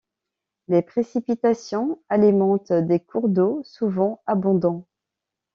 Les précipitations alimentent des cours d'eau souvent abondants.